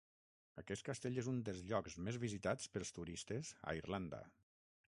Aquest castell és un dels llocs més visitats pels turistes a Irlanda.